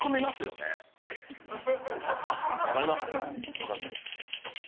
わかんないです。